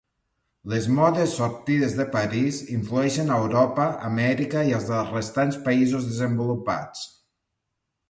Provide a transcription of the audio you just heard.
Les modes sortides de París influeixen a Europa, Amèrica i els restants països desenvolupats.